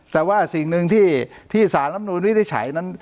แต่ว่าสิ่งนึงที่ศาลรัฐมนูลวิทชัยนั่น